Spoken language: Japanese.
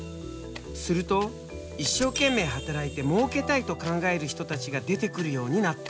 すると一生懸命働いてもうけたいと考える人たちが出てくるようになった。